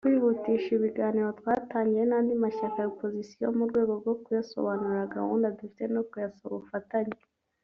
Kwihutisha ibiganiro twatangiye n’andi mashyaka ya Opozisiyo mu rwego rwo kuyasobanurira gahunda dufite no kuyasaba ubufatanye